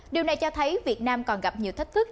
điều này cho thấy việt nam còn gặp nhiều thách thức